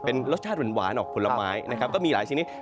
เป็นรสชาติหวานออกผลไม้นะครับก็มีหลายชนิด